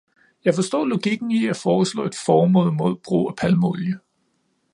Jeg forstår logikken i at foreslå et forbud mod brug af palmeolie.